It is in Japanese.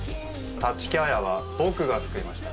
立木彩は僕が救いました。